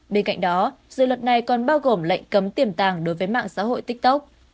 bên cạnh đó dự luật này còn bao gồm lệnh cấm tiềm tàng đối với mạng xã hội tiktok